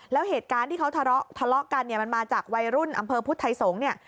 แล้วเหตุการณ์ที่เขาทะเลาะกันเนี่ยมันมาจากวัยรุ่นอำเภอพุทธไทยสงศ์เนี่ย